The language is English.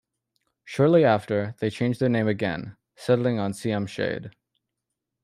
Shortly after, they changed their name again, settling on Siam Shade.